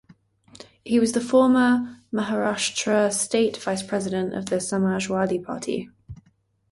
He was the former Maharashtra State Vice President of the Samajwadi Party.